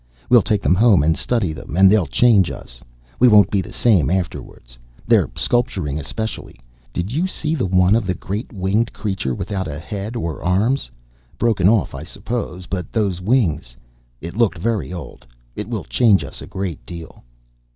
We'll take them home and study them, and they'll change us. We won't be the same afterwards. Their sculpturing, especially. Did you see the one of the great winged creature, without a head or arms? Broken off, I suppose. But those wings It looked very old. It will change us a great deal."